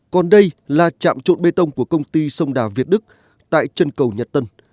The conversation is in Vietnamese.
còn đây là trạm trộn bê tông của công ty sông đà việt đức tại chân cầu nhật tân